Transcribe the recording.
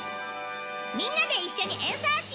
みんなで一緒に演奏しよう！